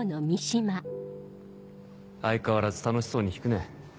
相変わらず楽しそうに弾くね。